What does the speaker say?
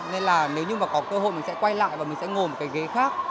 nên là nếu như mà có cơ hội mình sẽ quay lại và mình sẽ ngồi một cái ghế khác